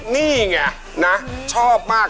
นี่ไงนะชอบมาก